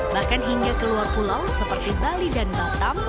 bahkan hingga ke luar pulau seperti bali dan batam